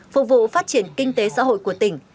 phục vụ phát triển kinh tế xã hội của tỉnh